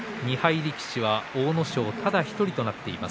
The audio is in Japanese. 力士は阿武咲ただ１人となりました。